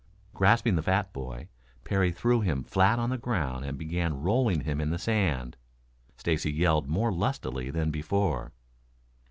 Grasping the fat boy, Parry threw him flat on the ground and began rolling him in the sand. Stacy yelled more lustily than before.